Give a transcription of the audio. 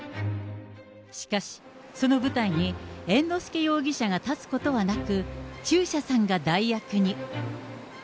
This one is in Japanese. しかし、その舞台に猿之助容疑者が立つことはなく、中車さんが代役に。